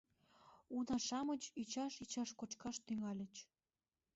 Уна-шамыч ӱчаш-ӱчаш кочкаш тӱҥальыч.